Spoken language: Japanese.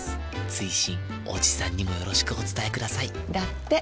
追伸おじさんにもよろしくお伝えくださいだって。